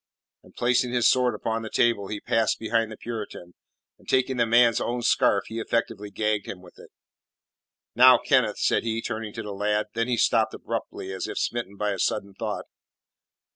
And, placing his sword upon the table, he passed behind the Puritan, and taking the man's own scarf, he effectively gagged him with it. "Now, Kenneth," said he, turning to the lad. Then he stopped abruptly as if smitten by a sudden thought.